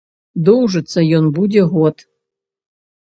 Доўжыцца ён будзе год.